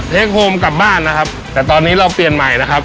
โฮมกลับบ้านนะครับแต่ตอนนี้เราเปลี่ยนใหม่นะครับ